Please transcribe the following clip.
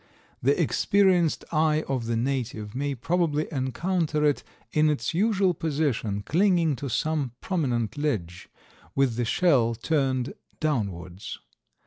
The experienced eye of the native may probably encounter it in its usual position, clinging to some prominent ledge, with the shell turned downwards.